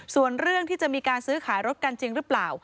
ส่วนเรื่องที่จะมีการซื้อขายรถกันจริงหรือเปล่า